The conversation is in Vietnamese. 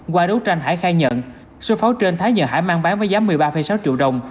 qua đấu tranh hải khai nhận số pháo trên thái nhờ hải mang bán với giá một mươi ba sáu triệu đồng